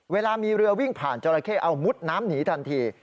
เวลามีเรือวิ่งผ่านจราเข้เอามุดน้ำหนีทันที